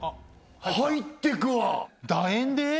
入ってくわ楕円で？